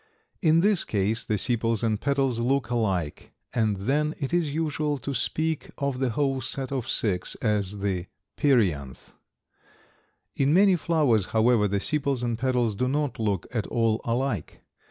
In this case the sepals and petals look alike, and then it is usual to speak of the whole set of six as the perianth. In many flowers, however, the sepals and petals do not look at all alike.